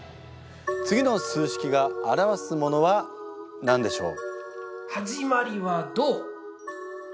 次の数式が表すものは何でしょう？